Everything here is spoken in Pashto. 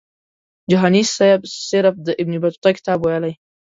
جهاني سیب صرف د ابن بطوطه کتاب ویلی.